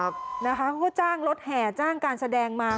เขาก็จ้างรถแห่จ้างการแสดงมา